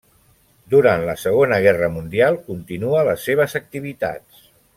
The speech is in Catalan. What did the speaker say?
Durant la Segona Guerra Mundial, continua les seves activitats.